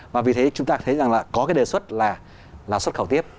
và vì thế chúng ta thấy rằng là có cái đề xuất là xuất khẩu tiếp